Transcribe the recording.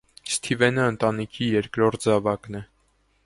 Սթիվենը ընտանիքի երկրորդ զավակն է։